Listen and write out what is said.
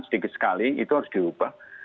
sedikit sekali itu harus diubah